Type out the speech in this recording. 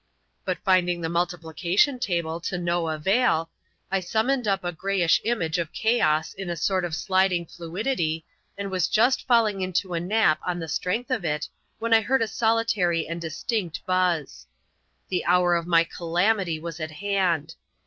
But finding the multiplication table of no avail, I summoned up a grayish image of chaos in a sort of sliding fluidity, and was just falling into a nap on the strength of it, when I heard a solitary and distinct buzz. The hour of my calamity was at hand.